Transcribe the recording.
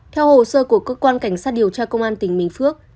theo hồ sơ của cơ quan cảnh sát điều tra công an tỉnh bình phước